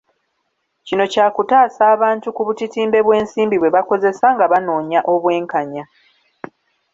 Kino kyakutaasa abantu ku butitimbe bw’ensimbi bwe bakozesa nga banoonya obwenkanya